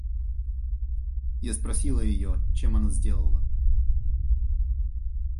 Я спросила её, чем она сделала.